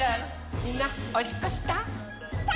みんなおしっこした？